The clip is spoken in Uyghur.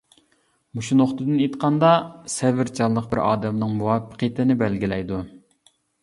مۇشۇ نۇقتىدىن ئېيتقاندا، سەۋرچانلىق بىر ئادەمنىڭ مۇۋەپپەقىيىتىنى بەلگىلەيدۇ.